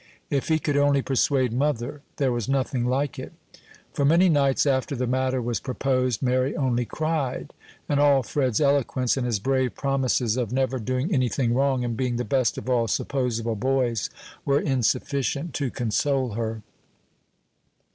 "If he could only persuade mother, there was nothing like it." For many nights after the matter was proposed, Mary only cried; and all Fred's eloquence, and his brave promises of never doing any thing wrong, and being the best of all supposable boys, were insufficient to console her.